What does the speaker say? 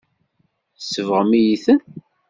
Tsebɣem-iyi-ten.